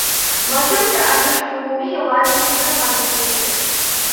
ماشوم چې ارزښت ومومي یوازې نه پاتې کېږي.